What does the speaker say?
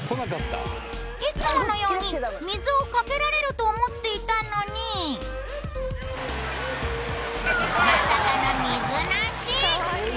いつものように水をかけられると思っていたのにまさかの水なし